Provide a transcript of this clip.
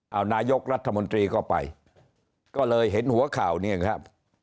เอานายกรัฐมนตรีก็ไปก็เลยเห็นหัวข่าวเนี่ยครับ